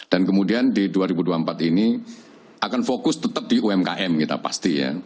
dan kemudian di dua ribu dua puluh empat ini akan fokus tetap di umkm kita pasti ya